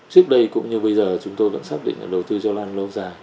trước đây cũng như bây giờ chúng tôi vẫn xác định là đầu tư cho lan lâu dài